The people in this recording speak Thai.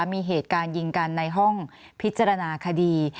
มีเหตุการณ์ยิงกันในห้องพิจารณาคดี